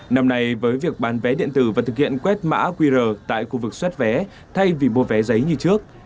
năm nay với việc bán vé điện tử và thực hiện quét mã qr tại khu vực xuất vé thay vì mua vé giấy như trước